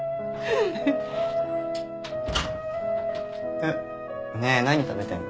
えっねえ何食べてんの？